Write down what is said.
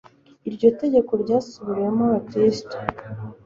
iryo tegeko ryasubiriwemo abakristo